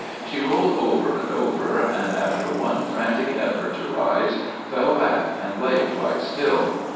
She rolled over and over and, after one frantic effort to rise, fell back and lay quite still.